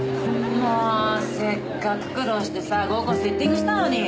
もうせっかく苦労してさ合コンセッティングしたのに。